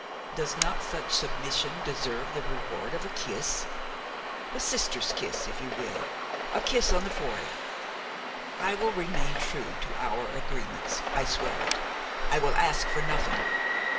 Does not such submission deserve the reward of a kiss? a sister's kiss, if you will, a kiss on the forehead? I will remain true to our agreements, I swear it. I will ask for nothing.